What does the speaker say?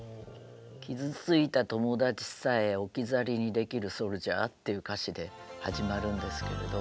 「傷ついた友達さえ置き去りにできるソルジャー」っていう歌詞で始まるんですけれど。